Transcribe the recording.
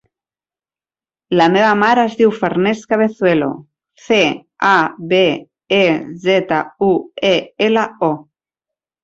La meva mare es diu Farners Cabezuelo: ce, a, be, e, zeta, u, e, ela, o.